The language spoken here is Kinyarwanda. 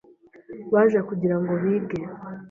baje kugira ngo bige